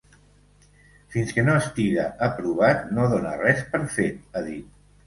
Fins que no estiga aprovat no done res per fet, ha dit.